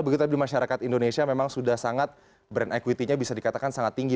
begitu tapi di masyarakat indonesia memang sudah sangat brand equity nya bisa dikatakan sangat tinggi